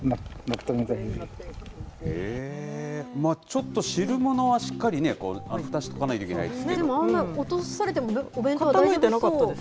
ちょっと汁物はしっかりね、ふたをしとかなきゃいけないです